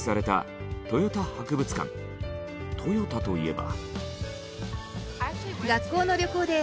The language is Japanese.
トヨタといえば。